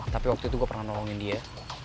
tapi waktu itu gue pernah nolongin dia